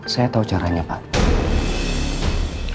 saya tau caranya pak